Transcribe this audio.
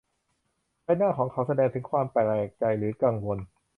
ใบหน้าของเขาแสดงถึงความแปลกใจหรือกังวล